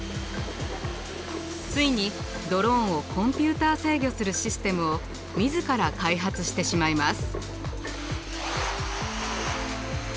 ついにドローンをコンピューター制御するシステムを自ら開発してしまいます。